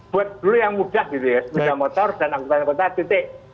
buat dulu yang mudah gitu ya sepeda motor dan angkutan kota titik